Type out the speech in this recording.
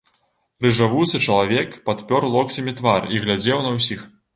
Рыжавусы чалавек падпёр локцямі твар і глядзеў на ўсіх.